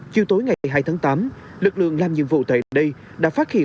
chiều tối ngày hai tháng tám lực lượng làm nhiệm vụ tại đây đã phát hiện